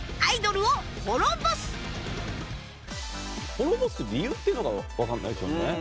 滅ぼす理由っていうのがわからないですよね。